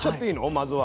まずは。